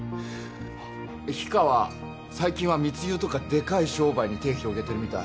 あっ氷川最近は密輸とかでかい商売に手広げてるみたい。